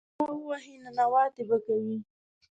که چا ووهې، ننواتې به کوې.